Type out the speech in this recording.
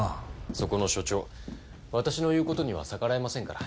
そこの署長私の言う事には逆らえませんから。